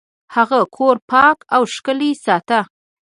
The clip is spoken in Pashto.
هغه کور پاک او ښکلی ساته.